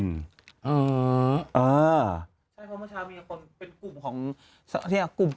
ใช่เพราะเมื่อเช้ามีคนเป็นกลุ่มของ